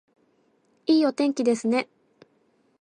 いいお天気ですね